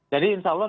dan tech kong sia tok